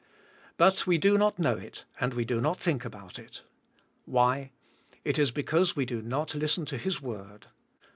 But we do not know it WILWNG AND DOING. 189 and we do not think about it. Why? It is because we do not listen to His word.